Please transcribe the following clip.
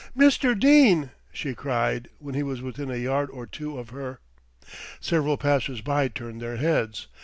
"Mr. Dene!" she cried, when he was within a yard or two of her. Several passers by turned their heads.